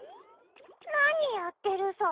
何やってるさ？